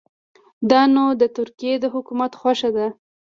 دا نو د ترکیې د حکومت خوښه ده.